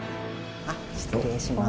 失礼します。